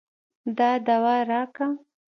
دا دوا راکه.